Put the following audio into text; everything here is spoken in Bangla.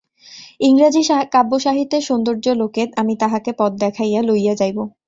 ইংরাজি কাব্যসাহিত্যের সৌন্দর্যলোকে আমি তাহাকে পথ দেখাইয়া লইয়া যাইব।